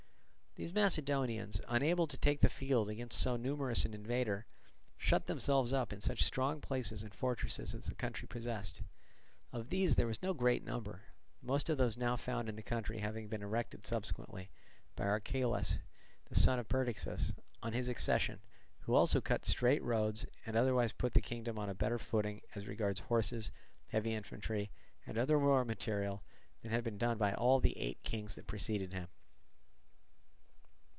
These Macedonians, unable to take the field against so numerous an invader, shut themselves up in such strong places and fortresses as the country possessed. Of these there was no great number, most of those now found in the country having been erected subsequently by Archelaus, the son of Perdiccas, on his accession, who also cut straight roads, and otherwise put the kingdom on a better footing as regards horses, heavy infantry, and other war material than had been done by all the eight kings that preceded him.